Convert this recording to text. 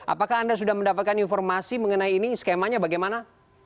apakah anda sudah mendapatkan informasi mengenai ini skemanya bagaimana